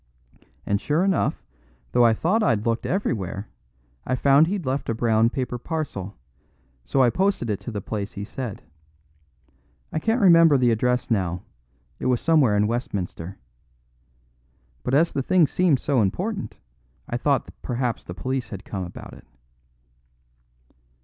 And sure enough, though I thought I'd looked everywhere, I found he'd left a brown paper parcel, so I posted it to the place he said. I can't remember the address now; it was somewhere in Westminster. But as the thing seemed so important, I thought perhaps the police had come about it."